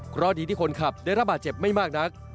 เพราะดีที่คนขับได้รับบาดเจ็บไม่มากนัก